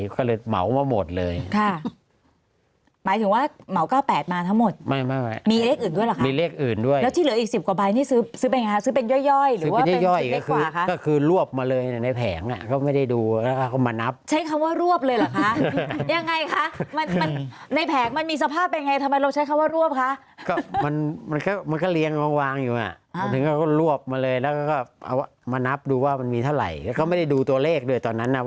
ค่ะหมายถึงว่าเหมา๙๘มาทั้งหมดไม่มีเลขอื่นด้วยหรือคะมีเลขอื่นด้วยแล้วที่เหลืออีก๑๐กว่าใบนี่ซื้อเป็นย่อยหรือว่าเป็นชุดเล็กขวาค่ะก็คือรวบมาเลยในแผงเขาไม่ได้ดูแล้วเขามานับใช้คำว่ารวบเลยหรือคะยังไงคะในแผงมันมีสภาพเป็นไงทำไมเราใช้คำว่ารวบคะมันก็เลี้ยงวางอยู่ถึงเขาก็รวบมาเลย